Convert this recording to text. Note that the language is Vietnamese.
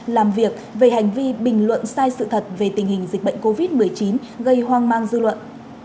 làm việc về hành vi bình luận sai sự thật về tình hình dịch bệnh covid một mươi chín gây hoang mang dư luận